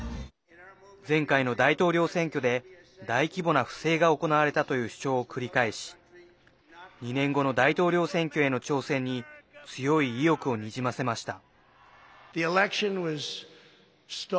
前回の大統領選挙で大規模な不正が行われたという主張を繰り返し２年後の大統領選挙への挑戦に強い意欲をにじませました。